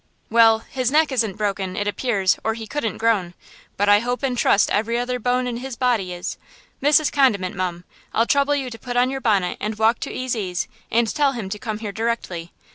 "Well! his neck isn't broken, it appears, or he couldn't groan; but I hope and trust every other bone in his body is! Mrs. Condiment, mum! I'll trouble you to put on your bonnet and walk to Ezy's and tell him to come here directly!